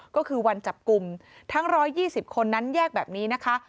ก็คือวันจับกลุ่มทั้ง๑๒๐คนนั้นแยกแบบนี้นะคะ